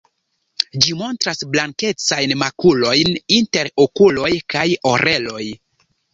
Ĝi montras blankecajn makulojn inter okuloj kaj oreloj.